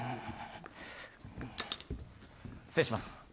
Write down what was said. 失礼します。